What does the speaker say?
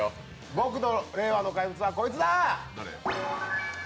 僕の令和の怪物はこいつだ！